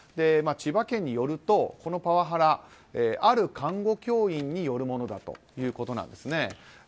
千葉県によると、このパワハラある看護教員によるものだということなんですね。